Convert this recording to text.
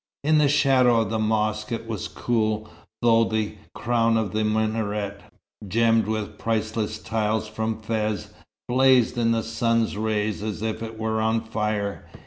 In the shadow of the mosque it was cool, though the crown of the minaret, gemmed with priceless tiles from Fez, blazed in the sun's rays as if it were on fire.